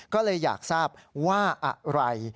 ก็เลยอยากทราบว่าอะไร